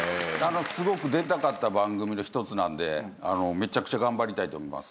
すごく出たかった番組の１つなんでめちゃくちゃ頑張りたいと。